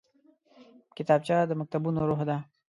کتابچه د مکتبونو روح ده